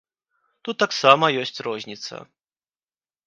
Тут таксама ёсць розніца.